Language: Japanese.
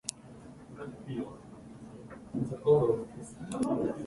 間違って靴を食べてしまった